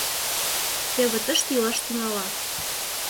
— Теве тыште илаш тӱҥалат.